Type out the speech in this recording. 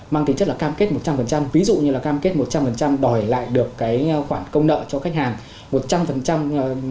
mang tính chất là cam kết một trăm linh ví dụ như cam kết một trăm linh đòi lại được khoản công nợ cho khách hàng